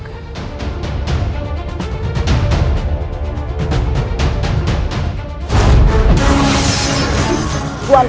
kau bisa mencari dia di pajajaran